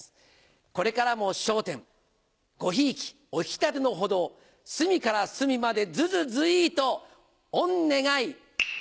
これからも『笑点』ご贔屓お引き立てのほど隅から隅までずずずいっと御願い。